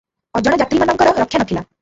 ଅଜଣା ଯାତ୍ରୀମାନଙ୍କର ରକ୍ଷା ନ ଥିଲା ।